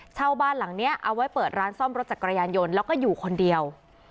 เช่าบ้านหลังนี้เอาไว้เปิดร้านซ่อมรถจักรยานยนต์แล้วก็อยู่คนเดียว